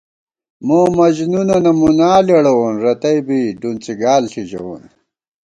مومجنُونَنہ مُنا لېڑَوون، رتئ بی ڈُنڅی گال ݪی ژَوون